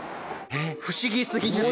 不思議すぎる。